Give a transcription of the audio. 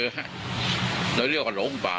เราเรียกว่าหลงป่า